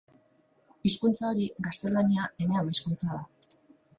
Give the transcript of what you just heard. Hizkuntza hori, gaztelania, ene ama-hizkuntza da.